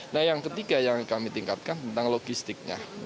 nah yang ketiga yang kami tingkatkan tentang logistiknya